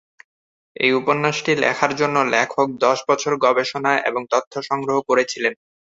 এই উপন্যাসটি লেখার জন্য লেখক দশ বছর গবেষণা এবং তথ্য সংগ্রহ করেছিলেন।